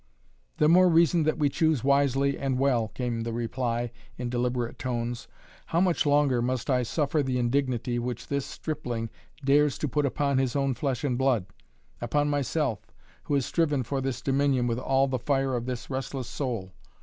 "The more reason that we choose wisely and well," came the reply in deliberate tones. "How much longer must I suffer the indignity which this stripling dares to put upon his own flesh and blood, upon myself, who has striven for this dominion with all the fire of this restless soul?